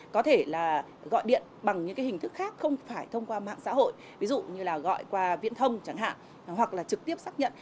có thể là gọi điện bằng những cái hình thức khác không phải thông qua mạng xã hội ví dụ như là gọi qua viễn thông chẳng hạn hoặc là trực tiếp xác nhận